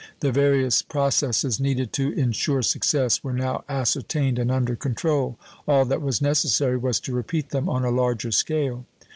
The various processes needed to insure success were now ascertained and under control; all that was necessary was to repeat them on a larger scale.